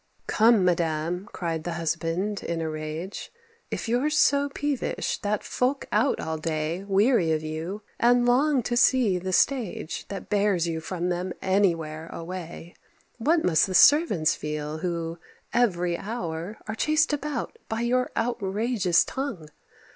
"Come, madam," cried the husband in a rage, "If you're so peevish that folk out all day Weary of you, and long to see the stage That bears you from them anywhere away, What must the servants feel who, every hour, Are chased about by your outrageous tongue!